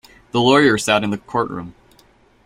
The lawyer sat in the courtroom.